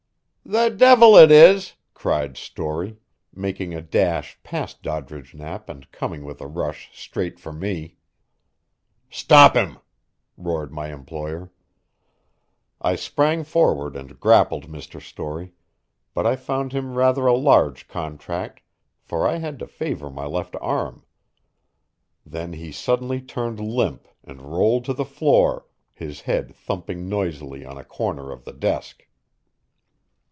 "The devil it is!" cried Storey, making a dash past Doddridge Knapp and coming with a rush straight for me. "Stop him!" roared my employer. I sprang forward and grappled Mr. Storey, but I found him rather a large contract, for I had to favor my left arm. Then he suddenly turned limp and rolled to the floor, his head thumping noisily on a corner of the desk.